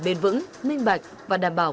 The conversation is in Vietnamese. bền vững minh bạch và đảm bảo